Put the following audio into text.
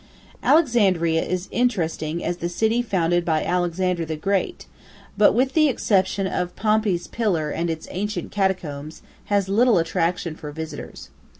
Alexandria is interesting as the city founded by Alexander the Great, but with the exception of Pompey's pillar and its ancient catacombs has little attraction for visitors.